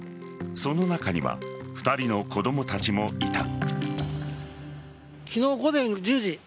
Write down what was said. その中には２人の子供たちもいた。